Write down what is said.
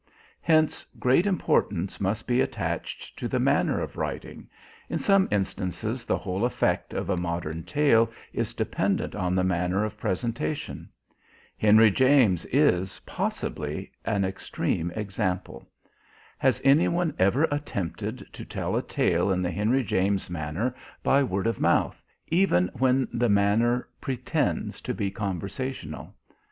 Hence great importance must be attached to the manner of writing; in some instances, the whole effect of a modern tale is dependent on the manner of presentation. Henry James is, possibly, an extreme example. Has any one ever attempted to tell a tale in the Henry James manner by word of mouth, even when the manner pretends to be conversational?